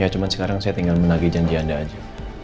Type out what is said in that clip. ya cuman sekarang saya tinggal menagi janji anda saja